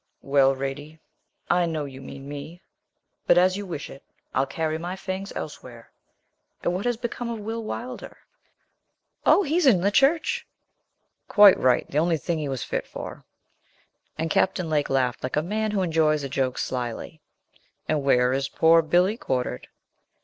'Well, Radie, I know you mean me; but as you wish it, I'll carry my fangs elsewhere; and what has become of Will Wylder?' 'Oh! he's in the Church!' 'Quite right the only thing he was fit for;' and Captain Lake laughed like a man who enjoys a joke slily. 'And where is poor Billy quartered?'